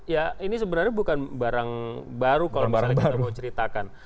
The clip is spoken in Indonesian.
ya ini sebenarnya bukan barang baru kalau misalnya kita mau ceritakan